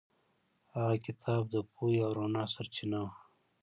هغه کتاب د پوهې او رڼا سرچینه وه.